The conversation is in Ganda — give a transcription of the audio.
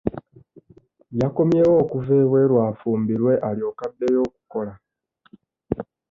Yakomyewo okuva ebweru afumbirwe alyoke addeyo okukola.